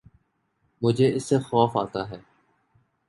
مجھے اس سے خوف آتا ہے